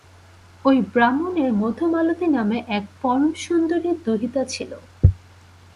ঐ ব্রাহ্মণের মধুমালতী নামে এক পরমসুন্দরী দুহিতা ছিল।